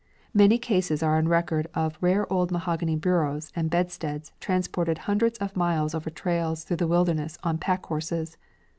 Many cases are on record of rare old mahogany bureaus and bedsteads transported hundreds of miles over trails through the wilderness on pack horses.